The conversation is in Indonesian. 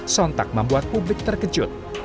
sontak membuat publik terkejut